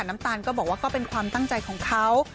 น้ำตาลก็บอกว่าก็เป็นความตั้งใจของเขา